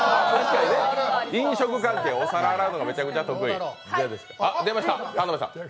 飲食関係でお皿洗うのがめちゃくちゃ得意。